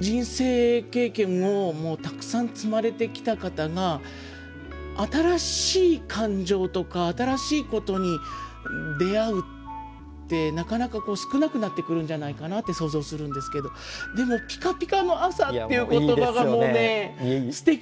人生経験ももうたくさん積まれてきた方が新しい感情とか新しいことに出会うってなかなか少なくなってくるんじゃないかなって想像するんですけどでも「ぴかぴかの朝」っていう言葉がもうねすてきすぎて。